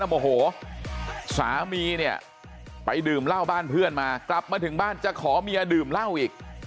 โมโหสามีเนี่ยไปดื่มเหล้าบ้านเพื่อนมากลับมาถึงบ้านจะขอเมียดื่มเหล้าอีก